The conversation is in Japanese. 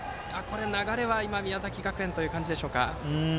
流れは宮崎学園という感じでしょうか。